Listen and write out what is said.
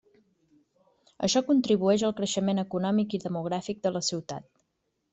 Això contribueix al creixement econòmic i demogràfic de la ciutat.